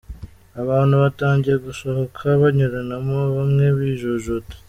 Abantu batangiye gusohoka banyuranamo bamwe bijujuta.